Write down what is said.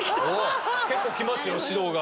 結構きますよ指導が。